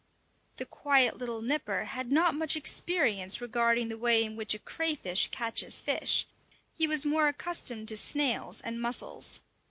The quiet little Nipper had not much experience regarding the way in which a crayfish catches fish; he was more accustomed to snails and mussels.